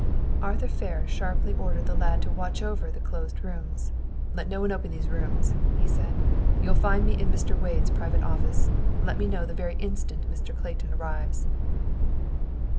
Arthur Ferris sharply ordered the lad to watch over the closed rooms. "Let no one open those rooms," he said. "You'll find me in Mr. Wade's private office. Let me know the very instant Mr. Clayton arrives."